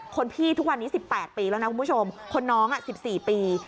คนพี่ทุกวันนี้สิบแปดปีแล้วนะคุณผู้ชมคนน้องอ่ะสิบสี่ปี